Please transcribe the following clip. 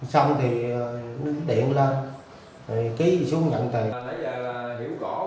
xong thì điện lên ký xuống nhận tiền